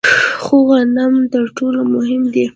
خو غنم تر ټولو مهم دي.